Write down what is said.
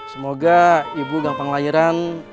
semoga ibu gampang lahiran